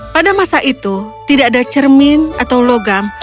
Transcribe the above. pada masa itu tidak ada cermin atau logam